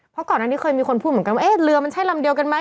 เพราะก่อนอันนี้เคยมีคนพูดเหมือนกันว่าเอ๊ะเรือมันใช่ลำเดียวกันไหม